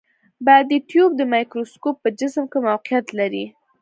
بادي ټیوب د مایکروسکوپ په جسم کې موقعیت لري.